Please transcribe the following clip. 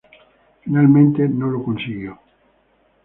Finalmente no lo consiguió.